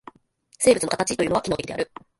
生物の形というのは機能的である。